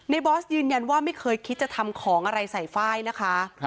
บอสยืนยันว่าไม่เคยคิดจะทำของอะไรใส่ไฟล์นะคะ